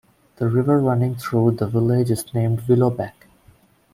The river running through the village is named Willow Beck.